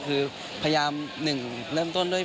คือพยายามหนึ่งเริ่มต้นด้วย